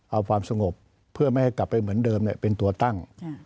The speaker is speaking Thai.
เอาความสงบเพื่อไม่ให้กลับไปเหมือนเดิมเป็นตัวตั้ง